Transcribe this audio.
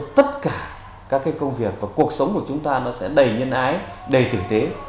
tất cả các công việc và cuộc sống của chúng ta nó sẽ đầy nhân ái đầy tử tế